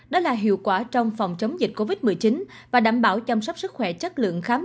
đó là hiệu quả trong phòng chống dịch covid một mươi chín và đảm bảo chăm sóc sức khỏe chất lượng khám